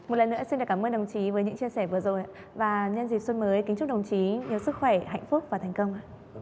một lần nữa xin cảm ơn đồng chí với những chia sẻ vừa rồi và nhân dịp xuân mới kính chúc đồng chí nhiều sức khỏe hạnh phúc và thành công